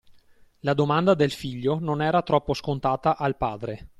La domanda del figlio non era troppo scontata al padre.